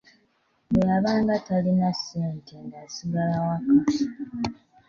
Bwe yabanga talina ssente ng'asigala waka.